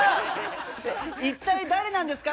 一体誰なんですか？